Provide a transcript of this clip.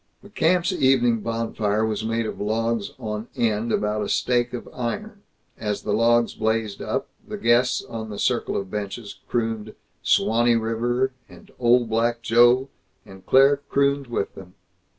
The camp's evening bonfire was made of logs on end about a stake of iron. As the logs blazed up, the guests on the circle of benches crooned "Suwanee River," and "Old Black Joe," and Claire crooned with them.